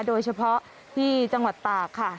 โดยเฉพาะที่จังหวัดตากค่ะ